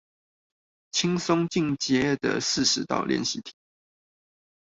輕鬆進階的四十道練習題